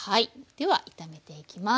では炒めていきます。